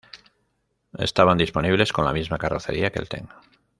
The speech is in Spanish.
Estaban disponibles con la misma carrocería que el Ten.